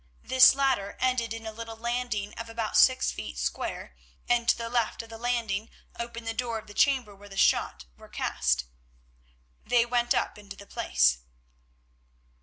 This ladder ended in a little landing of about six feet square, and to the left of the landing opened the door of the chamber where the shot were cast. They went up into the place.